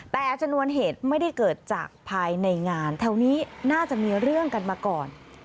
แต่ชนวนเหตุไม่ได้เกิดจากภายในงานแถวนี้น่าจะมีเรื่องกันมาก่อน